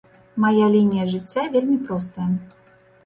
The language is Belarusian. Мая лінія жыцця вельмі простая.